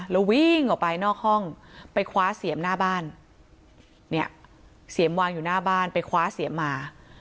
แล้ววิ่งออกไปนอกห้องไปคว้าเสียมหน้าบ้านเนี่ยเสียมวางอยู่หน้าบ้านไปคว้าเสียมมา